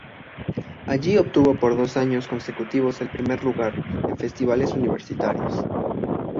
Allí obtuvo por dos años consecutivos el primer lugar en festivales universitarios.